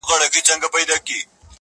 ویل بار د ژوندانه مي کړه ملا ماته٫